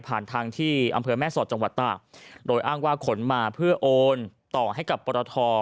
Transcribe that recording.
ทางที่อำเภอแม่สอดจังหวัดตากโดยอ้างว่าขนมาเพื่อโอนต่อให้กับปรท